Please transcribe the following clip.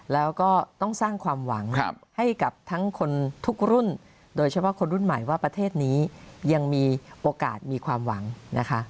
แล้วก็ต้องสร้างความหวังให้กับทั้งคนทุกรุ่นโดยเฉพาะคนรุ่นใหม่ว่าประเทศนี้ยังมีโอกาสมีความหวังนะคะ